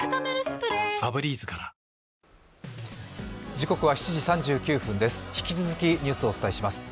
時刻は７時３９分です、引き続きニュースをお伝えします。